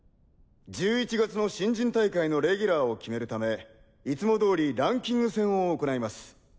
１１月の新人大会のレギュラーを決めるためいつも通りランキング戦を行います。